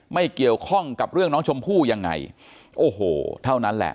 ไม่เกี่ยวข้องกับเรื่องน้องชมพู่ยังไงโอ้โหเท่านั้นแหละ